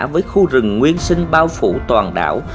với khu rừng nguyên sinh bao phủ toàn đảo